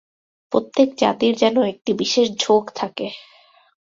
প্রত্যেক জাতির যেন একটি বিশেষ ঝোঁক থাকে।